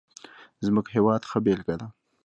زموږ هېواد ښه بېلګه ده.